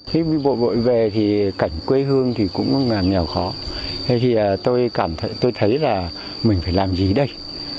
khi bộ đội về thì cảnh quê hương cũng rất là khó tôi thấy là mình phải làm gì đây